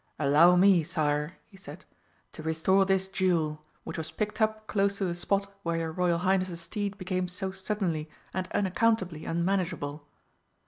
"Allow me, Sire," he said, "to restore this jewel, which was picked up close to the spot where your Royal Highness's steed became so suddenly and unaccountably unmanageable."